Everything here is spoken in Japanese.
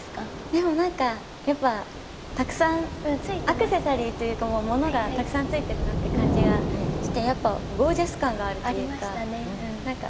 でも何かやっぱたくさんアクセサリーというか物がたくさんついてるなって感じがしてやっぱゴージャス感があるというか。